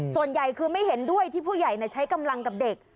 ส่วนใหญ่คือไม่เห็นด้วยที่ผู้ใหญ่ใช้กำลังกับเด็ก